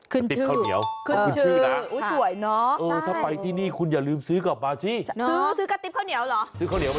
คืนชื่อคืนชื่อนะข้าวเหนียวข้าวเหนียวขับคืนชื่อขับคืนชื่อขับคืนชื่อ